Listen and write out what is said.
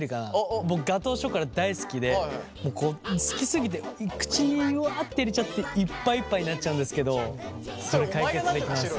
僕ガトーショコラ大好きで好きすぎて口にわあって入れちゃっていっぱいいっぱいになっちゃうんですけどそれ解決できます？